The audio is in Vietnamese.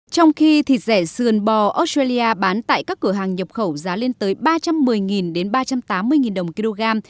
trong khi thịt rẻ sườn bò australia bán tại các cửa hàng nhập khẩu giá lên tới ba trăm một mươi ba trăm tám mươi đồng một kg